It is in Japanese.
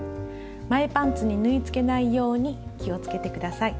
前パンツに縫いつけないように気をつけて下さい。